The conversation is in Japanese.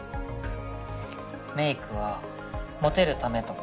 メイクはモテるためとか